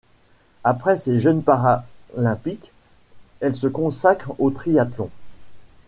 Après ces Jeux paralympiques, elle se consacre au triathlon.